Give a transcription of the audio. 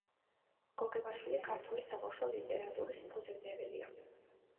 გოგებაშვილი ქართული საბავშვო ლიტერატურის ფუძემდებელია.